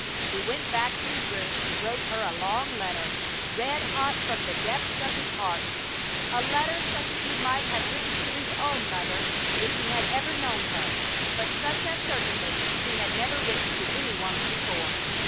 He went back to his room, and wrote her a long letter, red hot from the depths of his heart; a letter such as he might have written to his own mother if he had ever known her, but such as certainly he had never written to any woman before.